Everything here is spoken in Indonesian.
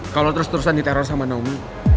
kalau terus terusan diteror sama naomi